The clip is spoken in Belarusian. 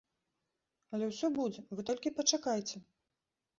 Але ўсё будзе, вы толькі пачакайце!